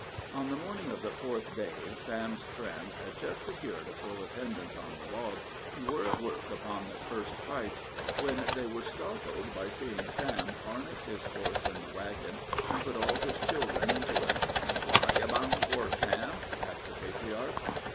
On the morning of the fourth day Sam's friends had just secured a full attendance on the log, and were at work upon their first pipes, when they were startled by seeing Sam harness his horse in the wagon and put all his children into it. "Whar yer bound fur, Sam?" asked the patriarch.